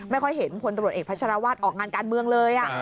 ไม่ค่อยเห็นพลตำรวจเอกพัชรวาสออกงานการเมืองเลย